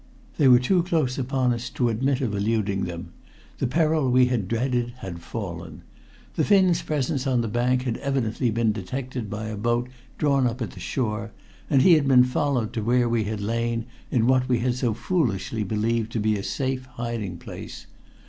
They were too close upon us to admit of eluding them. The peril we had dreaded had fallen. The Finn's presence on the bank had evidently been detected by a boat drawn up at the shore, and he had been followed to where we had lain in what we had so foolishly believed to be a safe hiding place.